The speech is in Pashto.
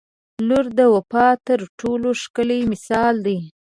• لور د وفا تر ټولو ښکلی مثال دی.